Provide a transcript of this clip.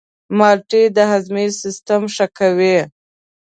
مالټې د هاضمې سیستم ښه کوي.